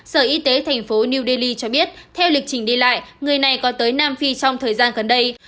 sở y tế thành phố new delhi cho biết theo lịch trình đi lại người này có tới nam phi trong thời gian gần đây